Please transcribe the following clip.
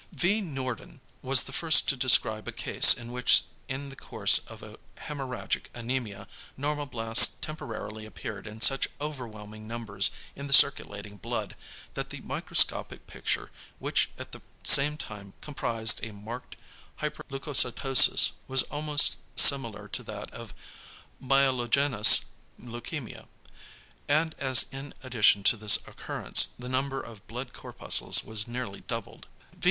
V. Noorden was the first to describe a case in which in the course of a hæmorrhagic anæmia normoblasts temporarily appeared in such overwhelming numbers in the circulating blood, that the microscopic picture, which at the same time comprised a marked hyperleucocytosis, was almost similar to that of a myelogenous leukæmia. And as in addition to this occurrence the number of blood corpuscles was nearly doubled, v.